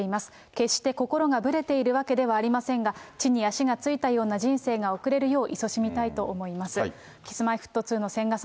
決して心がぶれているわけではありませんが、地に足がついたような人生が送れるよう、いそしみたいと思います。